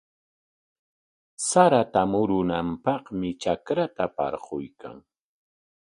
Sarata murunanpaqmi trakranta parquykan.